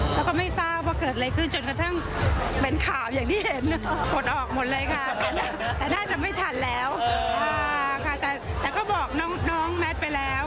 แล้วก็ไม่ทราบว่าเกิดอะไรขึ้นจนกระทั่งเป็นข่าวอย่างที่เห็นกดออกหมดเลยค่ะแต่น่าจะไม่ทันแล้วค่ะแต่ก็บอกน้องแมทไปแล้ว